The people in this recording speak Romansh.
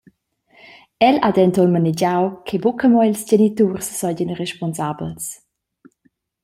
El ha denton manegiau che buca mo ils geniturs seigien responsabels.